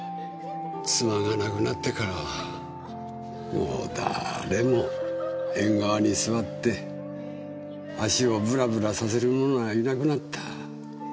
妻が亡くなってからはもう誰も縁側に座って足をブラブラさせる者はいなくなった。